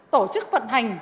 tổ chức vận hành